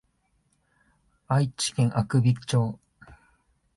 愛知県阿久比町